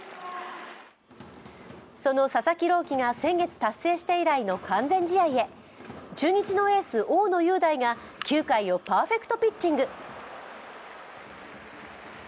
その佐々木朗希が先月、達成して以来の完全試合へ、中日のエース・大野雄大が９回をパーフェクトピッチング。